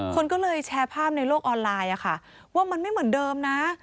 คนก็เลยแชร์ภาพในโลกออนไลน์ว่ามันไม่เหมือนเดิมนะ